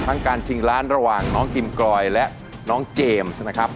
การชิงล้านระหว่างน้องกิมกรอยและน้องเจมส์นะครับ